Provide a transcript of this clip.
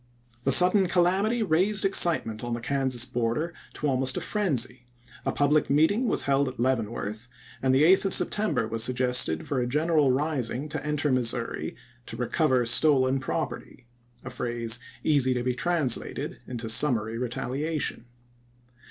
The sudden calamity raised excitement on the Kansas border to almost a frenzy ; a public meet ing was held at Leavenworth, and the 8th of Sep tember was suggested for a general rising to enter Missouri to recover stolen property — a phrase easy to be translated into summary retahation.